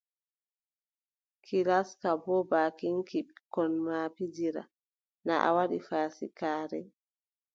Ki laska boo baakin ki ɓikkon ma pijirta, na a waɗi faasikaare.